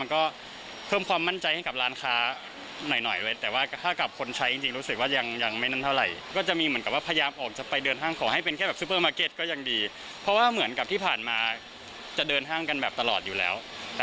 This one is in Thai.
ก็เยอะมากเลยอ่ะก็ย้ำนะคะไปซื้อของตลอดอยู่แล้วแล้วพอห้ามมาเปิดแล้วก็โอเคขึ้นเยอะมากเลย